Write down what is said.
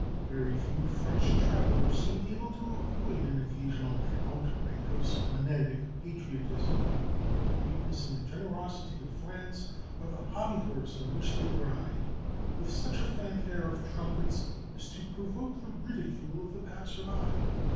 Very few French travellers seem able to avoid an occasional outbreak of splenetic patriotism. The greatness and the generosity of France are the hobby horse on which they ride with such a fanfare of trumpets as to provoke the ridicule of the passer by.